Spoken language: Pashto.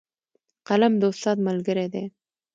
قلم د استاد ملګری دی